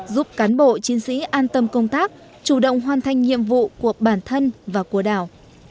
giúp cán bộ chiến sĩ an tâm công tác chủ động hoàn thành nhiệm vụ của bản thân và của đảo